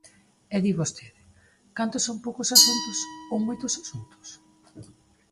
E di vostede: ¿cantos son poucos asuntos ou moitos asuntos?